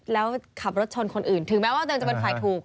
แล้วขับรถชนคนอื่นถึงแม้ว่าจะมีฝ่ายถูก